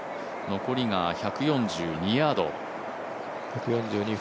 残りが１４２ヤード。